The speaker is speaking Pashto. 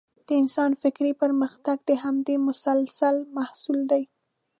د انسان فکري پرمختګ د همدې مثلث محصول دی.